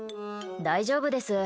大丈夫です